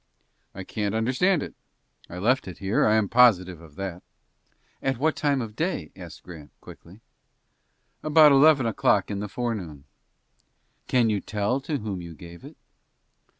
"I can't understand it. I left it here, I am positive of that." "At what time in the day?" asked Grant, quickly. "About eleven o'clock in the forenoon." "Can you tell to whom you gave it?"